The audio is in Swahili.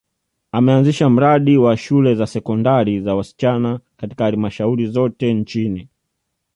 ameanzisha mradi wa shule za sekondari za wasichana katika halmashauri zote nchini